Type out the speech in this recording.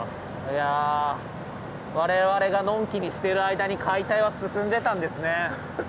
いや我々がのんきにしてる間に解体は進んでたんですね。